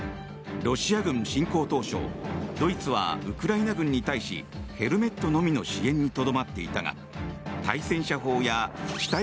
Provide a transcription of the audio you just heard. ロシア軍侵攻当初ドイツはウクライナ軍に対しヘルメットのみの支援にとどまっていたが対戦車砲や地